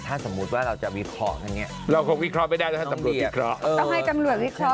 ถ้าสมมุติว่าเราจะวิเคราะห์กันเนี่ยเราคงวิเคราะห์ไม่ได้นะถ้าตำรวจวิเคราะห์